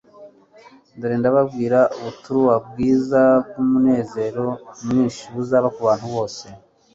dore, ndababwira ubuturuwa bwiza bw'umunezero mwinshi buzaba ku bantu bose.